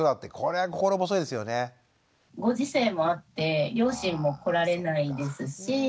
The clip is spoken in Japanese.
ご時世もあって両親も来られないですし。